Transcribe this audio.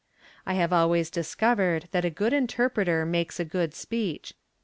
I have always discovered that a good interpreter makes a good speech.